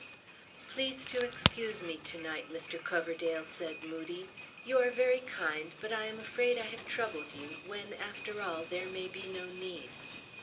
"Please to excuse me to night, Mr. Coverdale," said Moodie. "You are very kind; but I am afraid I have troubled you, when, after all, there may be no need.